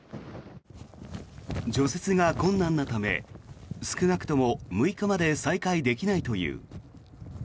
除雪が困難なため少なくとも６日まで再開できないという。